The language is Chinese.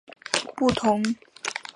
不同方言族群有其方言之称呼。